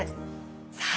さあ